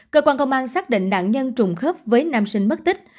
cơ quan công an xác định nạn nhân trùng khớp với nam sinh mất tích